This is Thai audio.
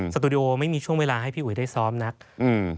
สตูดิโอไม่มีช่วงเวลาให้พี่อุ๋ยได้ซ้อมนักอืม